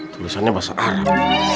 tulisannya bahasa arab